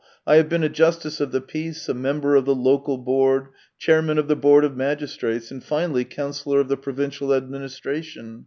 I have been a Justice of the Peace, a member of the Local Board, chairman of the Board of Magis trates, and finally councillor of the provincial administration.